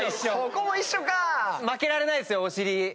負けられないっすよお尻。